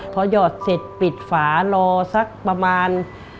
พอหยอดเสร็จปิดฝารอสักประมาณ